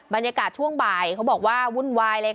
บรรยากาศช่วงบ่ายเขาบอกว่าวุ่นวายเลยค่ะ